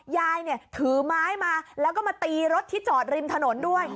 ยายเนี่ยถือไม้มาแล้วก็มาตีรถที่จอดริมถนนด้วย